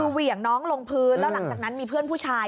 คือเหวี่ยงน้องลงพื้นแล้วหลังจากนั้นมีเพื่อนผู้ชาย